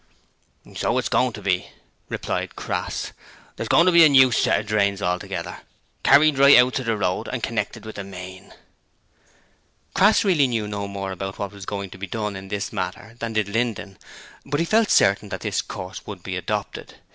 'So it is going to be,' replied Crass. 'There's going to be a new set of drains altogether, carried right out to the road and connected with the main.' Crass really knew no more about what was going to be done in this matter than did Linden, but he felt certain that this course would be adopted.